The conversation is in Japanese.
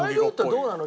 そうなの？